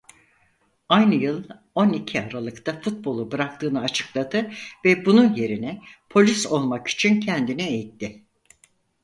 Aynı yıl on iki Aralık'ta futbolu bıraktığını açıkladı ve bunun yerine polis olmak için kendini eğitti.